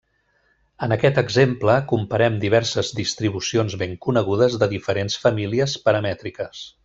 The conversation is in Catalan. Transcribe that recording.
En aquest exemple, comparem diverses distribucions ben conegudes de diferents famílies paramètriques.